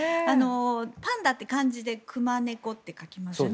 パンダって感じで熊猫って書きますよね。